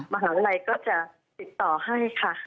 บางอย่างไรก็จะติดต่อให้ค่ะ